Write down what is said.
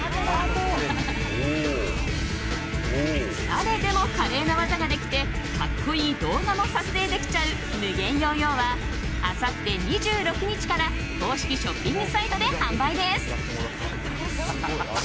誰でも華麗な技ができて格好いい動画も撮影できちゃうＭＵＧＥＮＹＯＹＯはあさって２６日から公式ショッピングサイトで販売です。